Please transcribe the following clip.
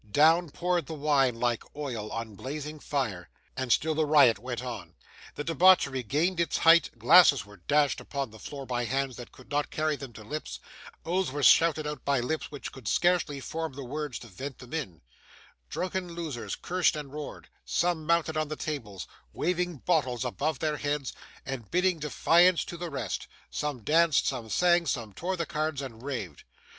Down poured the wine like oil on blazing fire. And still the riot went on. The debauchery gained its height; glasses were dashed upon the floor by hands that could not carry them to lips; oaths were shouted out by lips which could scarcely form the words to vent them in; drunken losers cursed and roared; some mounted on the tables, waving bottles above their heads and bidding defiance to the rest; some danced, some sang, some tore the cards and raved.